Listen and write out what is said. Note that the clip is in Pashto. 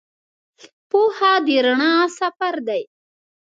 پوهه د رڼا سفر دی.